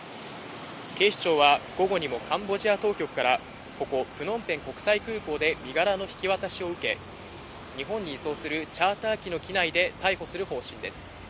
警視庁は午後にもカンボジア当局から、ここプノンペン国際空港で身柄の引き渡しを受け、日本に移送するチャーター機の機内で逮捕する方針です。